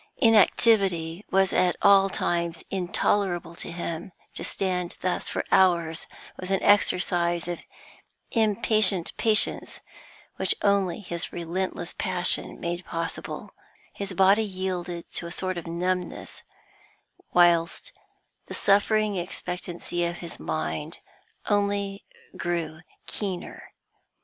Inactivity was at all times intolerable to him to stand thus for hours was an exercise of impatient patience which only his relentless passion made possible; his body yielded to a sort of numbness, whilst the suffering expectancy of his mind only grew keener.